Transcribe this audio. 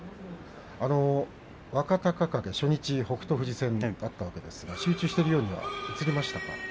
若隆景、初日北勝富士戦だったわけですが集中しているように映りましたか？